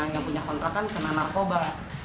yang punya kontrakan kena narkoba